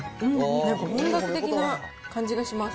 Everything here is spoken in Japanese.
なんか本格的な感じがします。